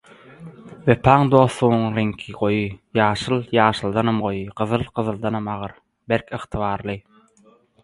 Wepaň, dostlugyň reňki – goýy. Ýaşyl ýaşyldanam goýy, gyzyl gyzyldanam agyr, berk, ygtybarly.